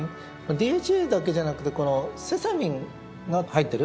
ＤＨＡだけじゃなくてこのセサミンが入ってる。